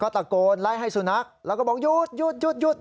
โตนไล่ให้สุนนักแล้วก็บอกหยุดหยุดหยุดหยุด